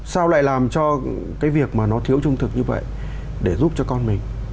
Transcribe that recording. sao lại làm cho cái việc mà nó thiếu trung thực như vậy để giúp cho con mình